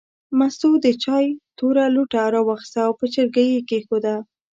مستو د چای توره لوټه راواخیسته او په چرګۍ یې کېښوده.